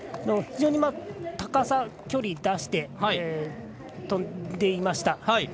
非常に高さ、距離出してとんでいました。